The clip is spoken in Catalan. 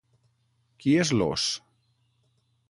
Qui es l'ós?